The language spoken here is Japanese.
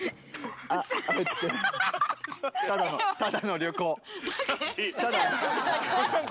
ただの旅行。